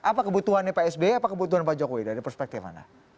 apa kebutuhannya pak s b atau kebutuhan pak jokowi dari perspektif anda